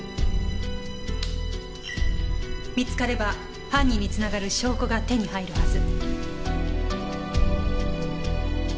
見つかれば犯人に繋がる証拠が手に入るはず。